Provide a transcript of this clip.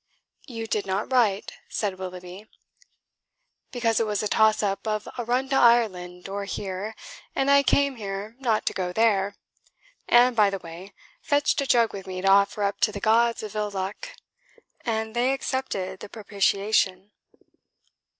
"You did not write," said Willoughby. "Because it was a toss up of a run to Ireland or here, and I came here not to go there; and, by the way, fetched a jug with me to offer up to the gods of ill luck; and they accepted the propitiation."